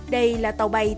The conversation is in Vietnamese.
đây là tàu bay tiếp tục